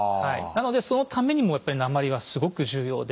なのでそのためにもやっぱり鉛はすごく重要で。